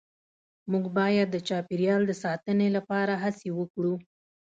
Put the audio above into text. مونږ باید د چاپیریال د ساتنې لپاره هڅې وکړو